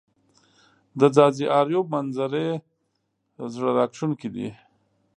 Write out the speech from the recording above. د ځاځي اریوب منظزرې زړه راښکونکې دي